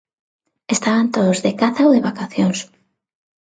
Estaban todos de caza ou de vacacións.